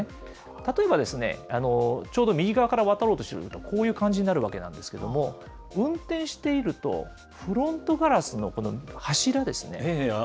例えばですね、ちょうど右側から渡ろうとすると、こういう感じになるわけなんですけども、運転していると、フロントガラスのこの柱ですね。